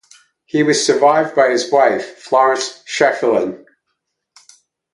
He was survived by his wife, Florence Schieffelin.